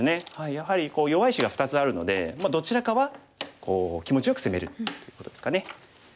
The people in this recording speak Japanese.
やはり弱い石が２つあるのでどちらかは気持ちよく攻めれるっていうことですかね。